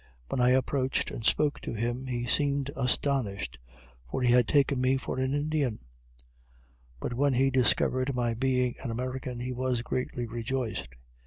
When I approached and spoke to him, he seemed astonished, for he had taken me for an Indian; but when he discovered my being an American he was greatly rejoiced.